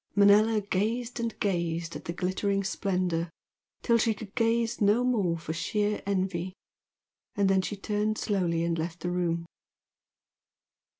Manella gazed and gazed at the glittering splendour till she could gaze no more for sheer envy, and then she turned slowly and left the room.